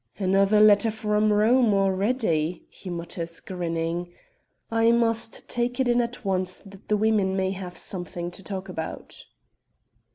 "Another letter from Rome already," he mutters, grinning; "I must take it in at once that the women may have something to talk about."